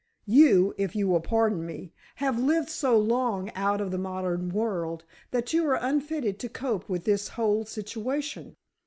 You, if you will pardon me, have lived so long out of the modern world that you are unfitted to cope with this whole situation.